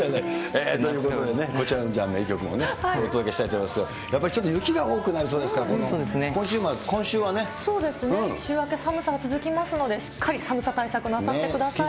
ということでね、こちらの曲もお届けしたいと思いますが、やっぱり雪が多くなりそそうですね、週明け寒さが続きますので、しっかり寒さ対策なさってください。